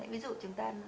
ví dụ chúng ta ăn rau